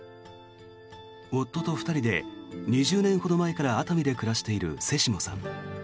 夫と２人で２０年ほど前から熱海で暮らしている瀬下さん。